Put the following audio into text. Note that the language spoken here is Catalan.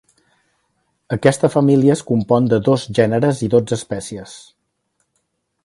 Aquesta família es compon de dos gèneres i dotze espècies.